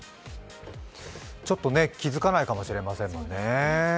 ちょっと気づかないかもしれませんもんね。